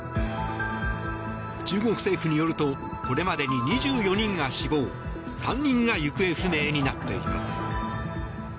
中国政府によるとこれまでに２４人が死亡３人が行方不明になっています。